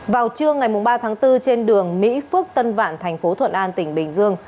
vào trưa ngày ba tháng bốn trên đường mỹ phước tân vạn thành phố thuận an tỉnh bình dương